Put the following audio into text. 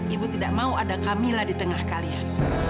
ibu tidak mau ada camilla di tengah kalian